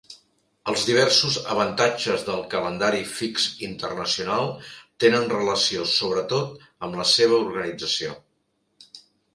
Els diversos avantatges del Calendari Fix Internacional tenen relació sobretot amb la seva organització.